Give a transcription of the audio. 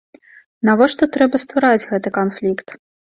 Навошта трэба ствараць гэты канфлікт?